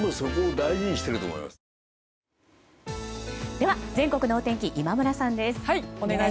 では、全国のお天気今村さんです。